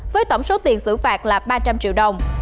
với tổng số tiền xử phạt là ba trăm linh triệu đồng